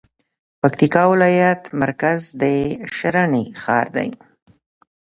پکتيکا ولايت مرکز د ښرنې ښار دی